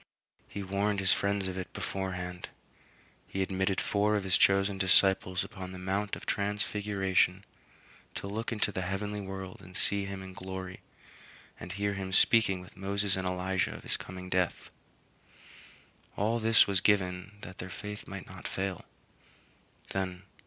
He warned his friends of it beforehand. He admitted four of his chosen disciples upon the Mount of Transfiguration to look into the heavenly world and see him in glory and hear him speaking with Moses and Elijah of his coming death. All this was given that their faith might not fail.